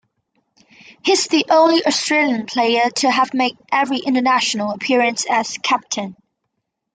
He is the only Australian player to have made every international appearance as captain.